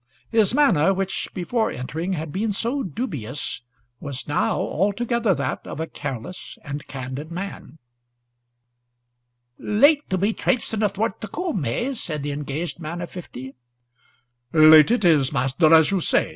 His manner, which before entering had been so dubious, was now altogether that of a careless and candid man. "Late to be traipsing athwart this coomb hey?" said the engaged man of fifty. "Late it is, master, as you say.